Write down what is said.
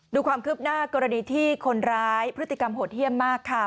ดูความคืบหน้ากรณีที่คนร้ายพฤติกรรมโหดเยี่ยมมากค่ะ